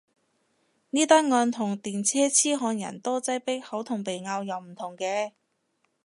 呢單案同電車痴漢人多擠迫口同鼻拗又唔同嘅